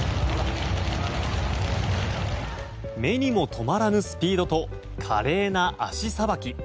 目にも留まらぬスピードと華麗な足さばき。